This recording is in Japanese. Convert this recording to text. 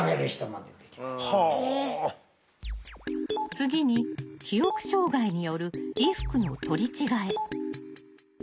次に記憶障害による衣服の取り違え。